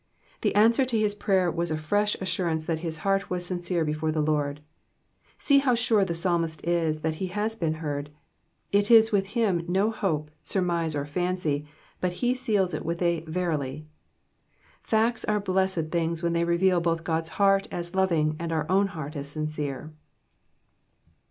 The answer to his prayer was a fresh assurance that his heart was sincere before the Lord. See how sure the psalmist is that he has been heard ; it is with him no hoi>e, surmise, or fancy, but he seals it with a '* verily,'''* Facts are blessed things when they reveal both God's heart as loving, and our own heart as sincere.